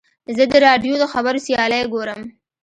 زه د راډیو د خبرو سیالۍ ګورم.